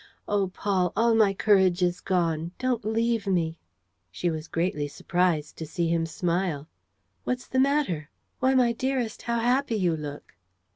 Oh, Paul, all my courage is gone ... don't leave me! ..." She was greatly surprised to see him smile: "What's the matter? Why, my dearest, how happy you look!"